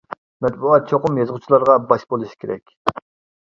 مەتبۇئات چوقۇم يازغۇچىلارغا باش بولۇشى كېرەك.